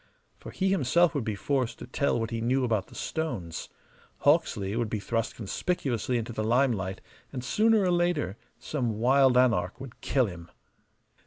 For he himself would be forced to tell what he knew about the stones: Hawksley would be thrust conspicuously into the limelight, and sooner or later some wild anarch would kill him.